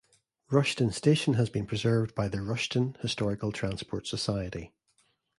Rushden station has been preserved by the Rushden Historical Transport Society.